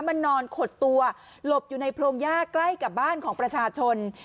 มันนอนขดตัวหลบอยู่ในโพรงย่าใกล้กับบ้านของประชาชน